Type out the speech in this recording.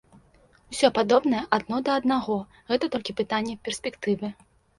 Усё падобнае адно да аднаго, гэта толькі пытанне перспектывы.